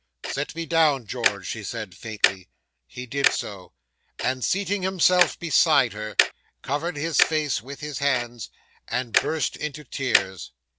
'"Set me down, George," she said faintly. He did so, and seating himself beside her, covered his face with his hands, and burst into tears.